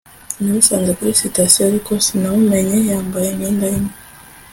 namusanze kuri sitasiyo, ariko sinamumenye yambaye imyenda imwe